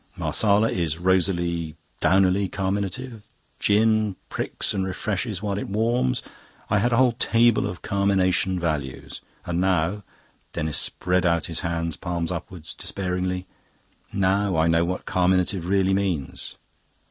Marsala is rosily, downily carminative; gin pricks and refreshes while it warms. I had a whole table of carmination values. And now" Denis spread out his hands, palms upwards, despairingly "now I know what carminative really means."